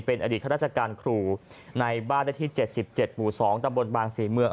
เป็นอดีตข้าราชการครูในบ้านได้ที่๗๗หมู่๒ตำบลบางศรีเมือง